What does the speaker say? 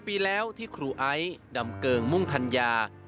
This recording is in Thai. ปีแล้วที่ครูไอซ์ดำเกิงมุ่งธัญญา